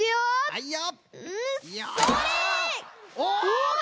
はいよ！